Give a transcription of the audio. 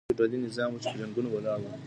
دا هغه فيوډالي نظام و چي په جنګونو ولاړ و.